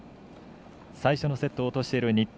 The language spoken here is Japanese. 最初のセットを落としている日本。